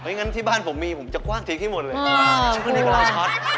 เหมือนกันที่บ้านผมมีผมจะกว้างทิกให้หมดเลย